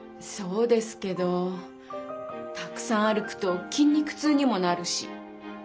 そうですけどたくさん歩くと筋肉痛にもなるし。